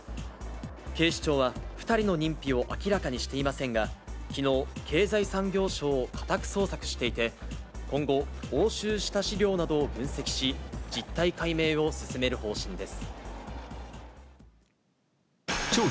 警視庁は２人の認否を明らかにしていませんが、きのう、経済産業省を家宅捜索していて、今後、押収した資料などを分析し、実態解明を進める方針です。